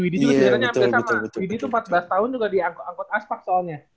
widhi itu empat belas tahun juga diangkut aspak soalnya